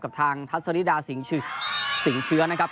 กับทางทัศริดาสิงเชื้อนะครับ